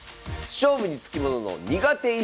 勝負に付きものの苦手意識。